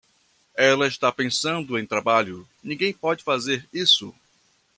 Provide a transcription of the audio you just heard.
Ela está pensando em trabalho, ninguém pode fazer isso.